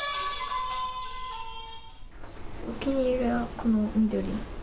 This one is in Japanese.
お気に入りはこの緑。